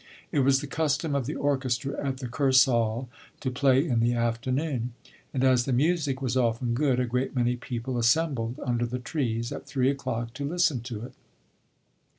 It was the custom of the orchestra at the Kursaal to play in the afternoon, and as the music was often good, a great many people assembled under the trees, at three o'clock, to listen to it.